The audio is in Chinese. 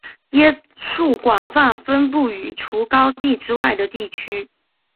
椰树广泛分布于除高地之外的地区。